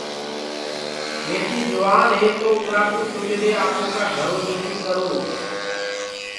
ٻٽيٚ جوآن هي تو اُرا ڪو سُجھدي آپو ڪآ گھرو جوگي ڪرو۔